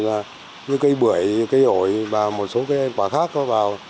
như cây bưởi cây ổi và một số cây ăn quả khác vào